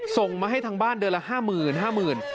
ส่งมาให้ทางบ้านเดือนละห้าหมื่นห้าหมื่น